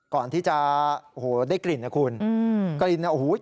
ก่อนที่จะโอ้โหได้กลิ่นครับคุณ